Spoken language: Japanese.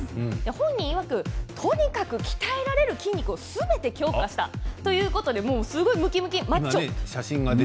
本人いわく、とにかく鍛えられる筋肉をすべて強化したということですごくムキムキマッチョなんです。